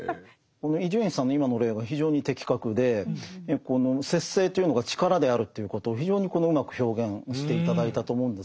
伊集院さんの今の例は非常に的確でこの節制というのが力であるということを非常にうまく表現して頂いたと思うんです。